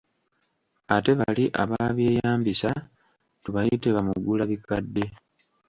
Ate bali ababyeyambisa, tubayite bamugulabikadde.